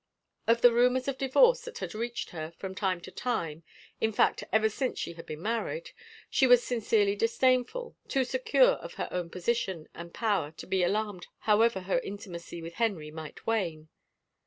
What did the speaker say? Of the rumors of divorce that had reached her, from time to time, in fact ever since she had been married, she was sincerely disdainful, too secure of her own posi tion and power to be alarmed however her intimacy with Henry might wane.